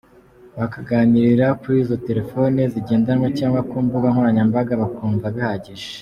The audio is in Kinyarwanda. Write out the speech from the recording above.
Bakaganirira kuri izo telefoni zigendanwa cyangwa ku mbuga nkoranyambaga, bakumva bihagije.